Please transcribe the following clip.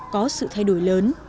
có sự thay đổi lớn